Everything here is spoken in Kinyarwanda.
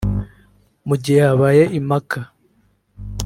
Mu gihe habaye impaka